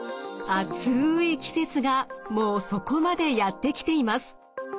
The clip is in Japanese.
暑い季節がもうそこまでやってきています。